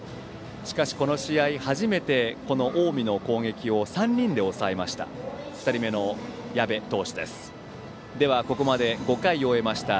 しかし、この試合初めて近江の攻撃を３人で抑えました。